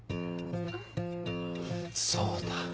そうだ。